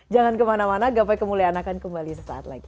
jangan kemana mana gapai kemuliaan akan kembali sesaat lagi